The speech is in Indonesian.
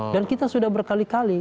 dan kita sudah berkali kali